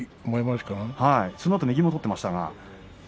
そのあと右も取っていました。